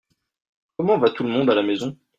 Comment va tout le monde à la maison ?